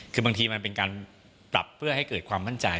คือบางทีมันเป็นการปรับเพื่อให้เกิดความมั่นใจ